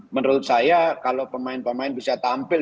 menurut saya kalau pemain pemain bisa tampil